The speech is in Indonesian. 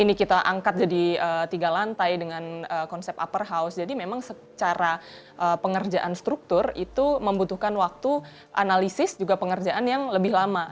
ini kita angkat jadi tiga lantai dengan konsep upper house jadi memang secara pengerjaan struktur itu membutuhkan waktu analisis juga pengerjaan yang lebih lama